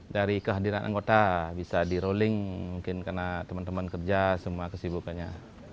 dari kehadiran anggota bisa di rolling mungkin karena teman teman kerja semua kesibukannya